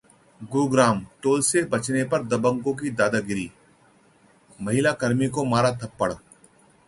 Gurugram: toll से बचने पर दबंगों की दादागीरी, महिलाकर्मी को मारा थप्पड़